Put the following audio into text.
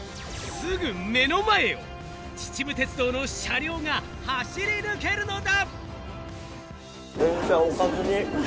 すぐ目の前を秩父鉄道の車両が走り抜けるのだ！